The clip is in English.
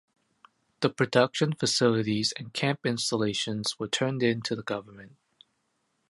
The production facilities and camp installations were turned in to the government.